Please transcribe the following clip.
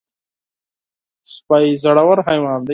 سپي زړور حیوان دی.